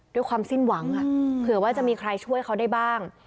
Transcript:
ด้วยความสิ้นหวังเผื่อว่าจะมีใครช่วยเขาได้บ้าง